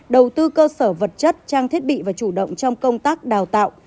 đầu tư cơ sở vật chất trang thiết bị và chủ động trong công tác đào tạo